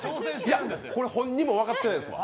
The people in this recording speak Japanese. これ本人もまだ分かってないですわ。